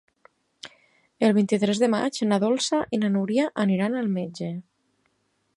El vint-i-tres de maig na Dolça i na Núria iran al metge.